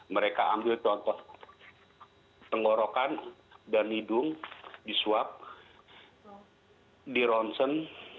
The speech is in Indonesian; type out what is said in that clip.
mereka ambil contoh tenggorokan dan hidung disuap dironsen